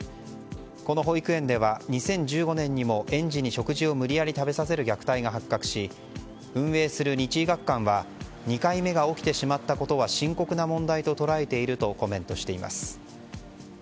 この保育園では、２０１５年にも園児に食事を無理やり食べさせる虐待が発覚し運営するニチイ学館は２回目が起きてしまったことは深刻な問題と捉えているとコメントしています。